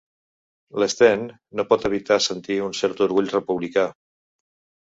L'Sten no pot evitar sentir un cert orgull republicà.